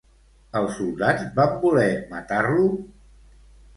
Els soldats van voler matar-lo?